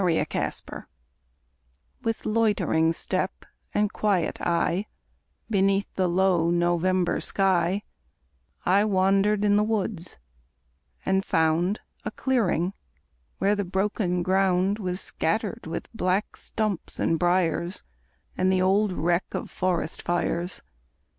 IN NOVEMBER With loitering step and quiet eye, Beneath the low November sky, I wandered in the woods, and found A clearing, where the broken ground Was scattered with black stumps and briers, And the old wreck of forest fires.